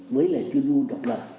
với lời tuyên du độc lập